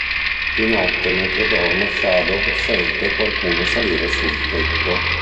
Di notte, mentre dorme, Shadow sente qualcuno salire sul tetto.